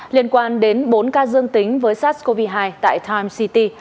liên quan đến bốn ca dương tính với sars cov hai tại times city